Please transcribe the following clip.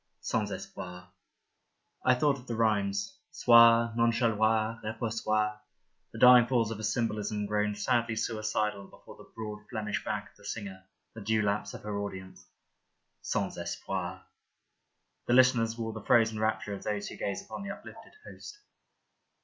Sans Espoir ... I thought of the rhymes — soir, nonchaloir, reposoir — the dying falls of a symbolism grown sadly suicidal before the broad Flemish back of the singer, the dewlaps of her audience. Sans Espoir. The listeners wore the frozen rapture of those who gaze upon the uplifted Host.